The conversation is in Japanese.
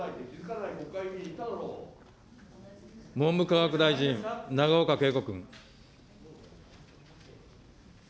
文部科学大臣、永岡桂子君。